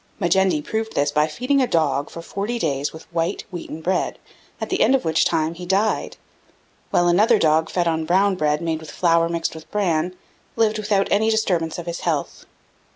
Majendie proved this by feeding a dog for forty days with white wheaten bread, at the end of which time he died; while another dog, fed on brown bread made with flour mixed with bran, lived without any disturbance of his health.